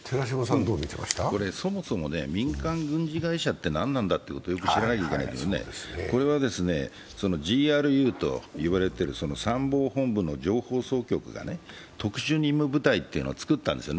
そもそも民間軍事会社って何なのかをよく知らなきゃいけないんだけどね、これはＧＲＵといわれている参謀本部の情報総局が特殊任務部隊というのをつくったんですよ。